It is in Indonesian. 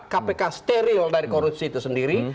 kpk steril dari korupsi itu sendiri